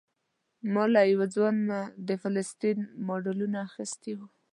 ما له یو ځوان نه د فلسطین ماډلونه اخیستي وو.